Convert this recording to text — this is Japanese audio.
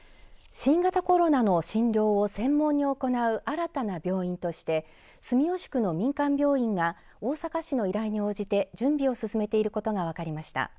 新型コロナの診療を専門に行う新たな病院として住吉区の民間病院が大阪市の依頼に応じて準備を進めていることが分かりました。